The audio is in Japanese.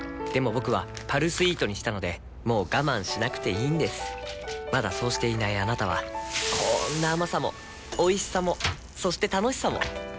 僕は「パルスイート」にしたのでもう我慢しなくていいんですまだそうしていないあなたはこんな甘さもおいしさもそして楽しさもあちっ。